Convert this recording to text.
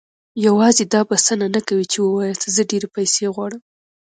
يوازې دا بسنه نه کوي چې وواياست زه ډېرې پيسې غواړم.